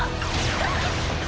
あっ！